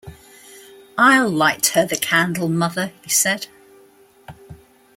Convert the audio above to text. “I’ll light her the candle, mother,” he said.